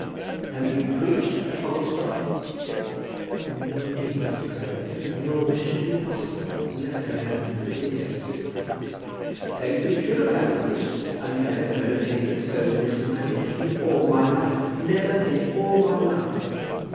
"But you preached at Hogglestock?" "No, indeed, Mrs. Proudie. Nor would it have been possible, unless I had had the police to assist me." "Then you should have had the police. I never heard of anything so mismanaged in all my life, never in all my life."